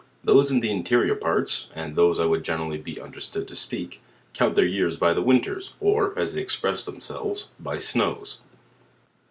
Those in the interior parts (and of those I would generally be understood to speak) count their years by the winters; or, as they express them selves by snows.